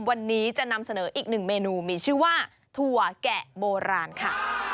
วันนี้จะนำเสนออีกหนึ่งเมนูมีชื่อว่าถั่วแกะโบราณค่ะ